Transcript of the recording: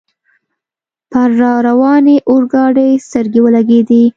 پر را روانې اورګاډي سترګې ولګېدې.